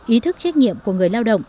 ý thức trách nhiệm của người lao động